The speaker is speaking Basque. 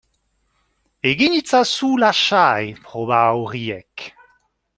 Egin itzazu lasai proba horiek